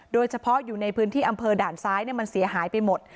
โดยเฉพาะอยู่ในพื้นที่อำเภอด่านซ้ายมันเสียหายไปหมด